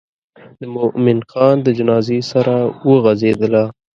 د مومن خان د جنازې سره وغزېدله.